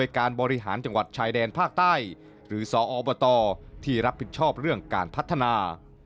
การบริหารจังหวัดชายแดนภาคใต้หรือสอบตที่รับผิดชอบเรื่องการพัฒนา